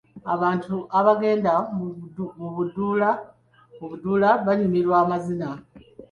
Abantu abagenda mu buduula banyumirwa amazina.